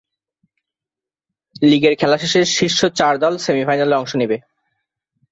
লীগের খেলা শেষে শীর্ষ চার দল সেমি-ফাইনালে অংশ নিবে।